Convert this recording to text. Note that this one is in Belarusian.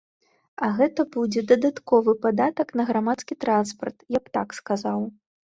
А гэта будзе дадатковы падатак на грамадскі транспарт, я б так сказаў.